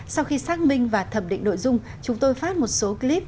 sau khi xác minh và thẩm định nội dung chúng tôi phát một số clip